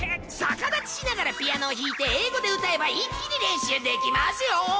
逆立ちしながらピアノを弾いて英語で歌えば一気に練習できますよ。